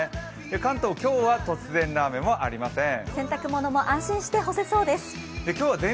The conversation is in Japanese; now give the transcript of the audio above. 関東、今日は、突然の雨はありません。